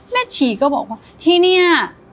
ชีก็บอกว่าที่นี่